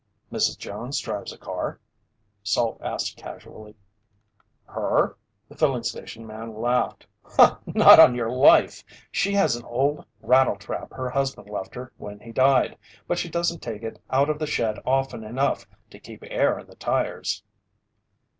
"Mrs. Jones drives a car?" Salt asked casually. "Her?" The filling station man laughed. "Not on your life! She has an old rattle trap her husband left her when he died, but she doesn't take it out of the shed often enough to keep air in the tires."